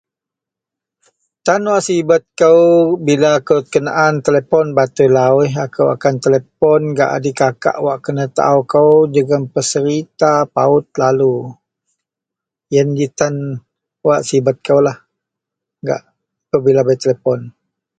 Tan wak sibet kou bila akou kenaan telepon batui lawuh akou akan telepon gak dikakak wak kenatau kou jegem peserita pawot lalu iyen ji tan wak sibet kou lah gak apabila bei telepon.